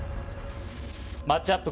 マッチアップ